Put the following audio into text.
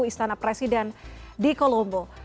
di sana presiden di kolombo